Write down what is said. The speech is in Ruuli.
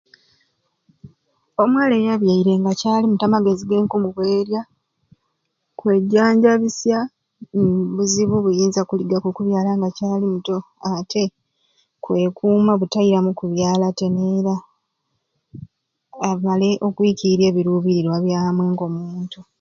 Omwala eyabyaire nga akyali muto amagezi genkumuweerya kwejanjabisya buzibu obuyinza okuluga omukubyala nga akyali muto ate kwekuuma butairamu kubyala te neera amale okwikiirya ebiruubirirwa byamwe ng'omuntu.